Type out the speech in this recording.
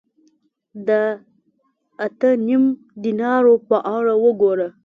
د اته نیم دینارو په اړه وګوره